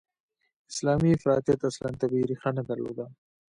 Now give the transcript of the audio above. اسلامي افراطیت اصلاً طبیعي ریښه نه درلوده.